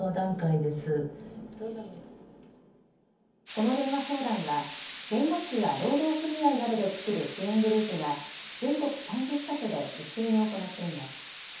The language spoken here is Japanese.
この電話相談は、弁護士や労働組合などで作る支援グループが全国３０か所で一斉に行っています。